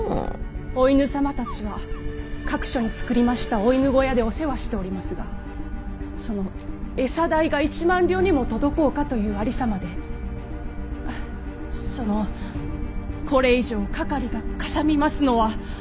お犬様たちは各所に作りましたお犬小屋でお世話しておりますがその餌代が１万両にも届こうかというありさまでそのこれ以上かかりがかさみますのは。